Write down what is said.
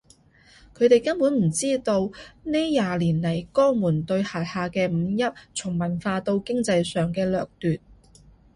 佢哋根本唔知道呢廿年嚟江門對轄下嘅五邑從文化到經濟上嘅掠奪